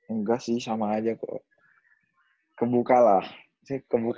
enggak sih sama aja kok kebuka lah